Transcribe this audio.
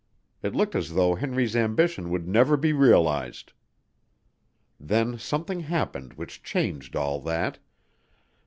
It looked as though Henry's ambition would never be realized. Then something happened which changed all that.